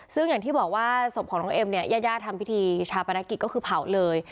ซึ่งอย่างที่บอกว่าศพของน้องเอ็มเนี่ยญาติย่าทำพิธีชาปนกิจก็คือเผาเลย